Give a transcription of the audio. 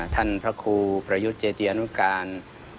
ท่านพระครูประยุทธ์เจติยานุการ